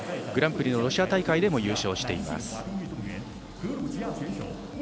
グランプリのロシア大会でも優勝しています。